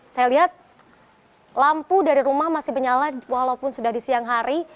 saya lihat lampu dari rumah masih menyala walaupun sudah di siang hari